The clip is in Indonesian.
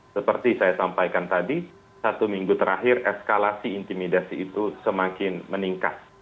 seperti saya sampaikan tadi satu minggu terakhir eskalasi intimidasi itu semakin meningkat